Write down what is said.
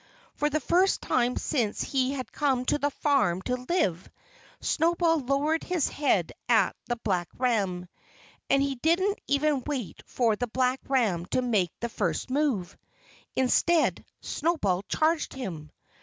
For the first time since he had come to the farm to live Snowball lowered his head at the black ram. And he didn't even wait for the black ram to make the first move. Instead, Snowball charged him.